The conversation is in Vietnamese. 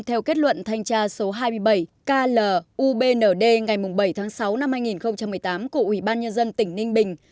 theo kết luận thanh tra số hai mươi bảy klubnd ngày bảy tháng sáu năm hai nghìn một mươi tám của ủy ban nhân dân tỉnh ninh bình